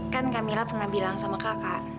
kan kak mila pernah bilang sama kakak